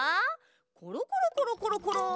ころころころころころ。